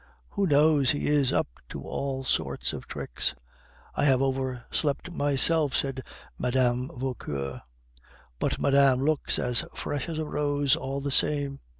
"Who knows? He is up to all sorts of tricks." "I have overslept myself," said Mme. Vauquer. "But madame looks as fresh as a rose, all the same."